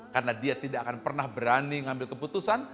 karena dia tidak akan pernah berani mengambil keputusan